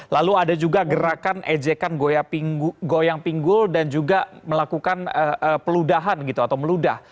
lalu ada juga gerakan ejekan goyang pinggul dan juga melakukan peludahan gitu atau meludah